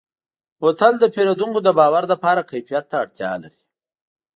بوتل د پیرودونکو د باور لپاره کیفیت ته اړتیا لري.